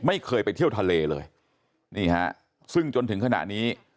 ไม่เคยไปเที่ยวทะเลเลยนี่ฮะซึ่งจนถึงขณะนี้